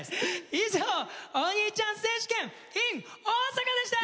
以上「おにいちゃん選手権ｉｎ大阪」でした！